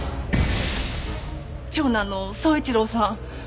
長男の宗一郎さん。